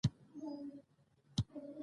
دا تر ټولو مهم کس دی ستا د ژوند په آشیانه کي